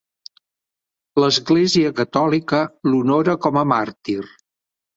L'Església Catòlica l'honora com a màrtir.